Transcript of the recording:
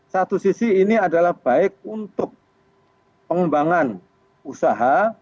satu sisi ini adalah baik untuk pengembangan usaha